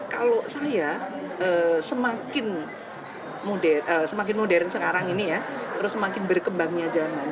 kalau saya semakin modern sekarang ini ya terus semakin berkembangnya zaman